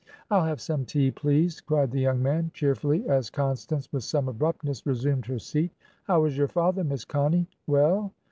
"I'll have some tea, please," cried the young man, cheerfully, as Constance with some abruptness resumed her seat. "How is your father, Miss Connie? Well?